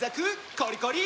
コリコリ！